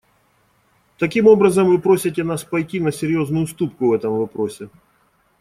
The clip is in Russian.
Таким образом, вы просите нас пойти на серьезную уступку в этом вопросе.